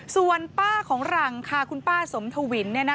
ส่วนป้าของหลังค่ะคุณป้าสมทวิน